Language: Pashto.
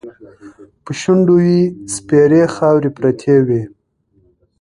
په شونډو یې سپېرې خاوې پرتې وې.